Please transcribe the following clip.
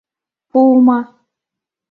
Пуымо.